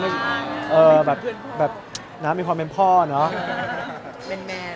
มีความเป็นพ่อเนอะ